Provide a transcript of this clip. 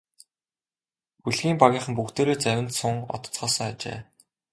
Хөлгийн багийнхан бүгдээрээ завинд суун одоцгоосон ажээ.